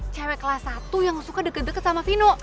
cewek kelas satu yang suka deket deket sama vino